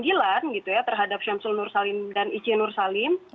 ada upaya pemanggilan terhadap syamsul nur salim dan ici nur salim